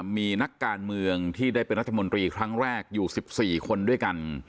มีนักการเมืองที่ได้เป็นรัฐมนตรีครั้งแรกอยู่๑๔คนด้วยกัน